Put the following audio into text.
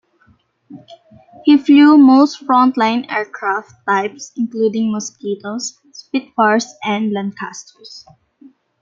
He flew most frontline aircraft types including Mosquitos, Spitfires and Lancasters.